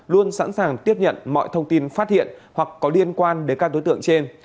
luôn sẵn sàng tiếp nhận mọi thông tin phát hiện hoặc có liên quan đến các đối tượng trên